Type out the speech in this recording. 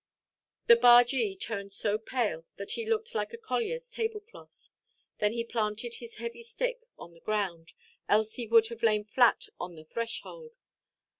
The bargee turned so pale, that he looked like a collierʼs tablecloth. Then he planted his heavy stick on the ground; else he would have lain flat on his threshold.